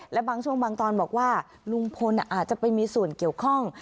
และบางช่วงบางตอนบอกว่าลุงพลอาจจะไปมีส่วนเกี่ยวข้อง